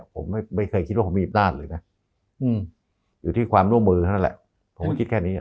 ผมไม่เคยคิดว่าผมมีอำนาจเลยนะอยู่ที่ความร่วมมือเท่านั้นแหละผมก็คิดแค่นี้